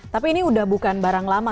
tapi ini udah bukan barang lama